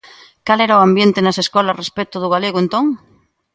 Cal era o ambiente nas escolas respecto do galego entón?